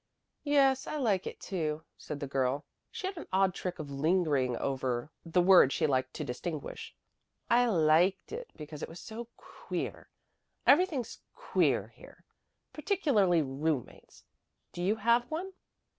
"Yes, I liked it too," said the girl. She had an odd trick of lingering over the word she wished to distinguish. "I liked it because it was so queer. Everything's queer here, particularly roommates. Do you have one?"